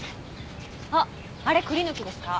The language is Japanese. あっあれ栗の木ですか？